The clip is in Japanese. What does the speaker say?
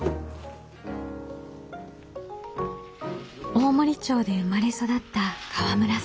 大森町で生まれ育った河村さん。